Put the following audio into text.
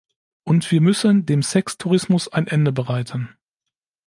Und wir müssen dem Sextourismus ein Ende bereiten.